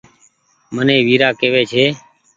مني ويرآ ڪيوي ڇي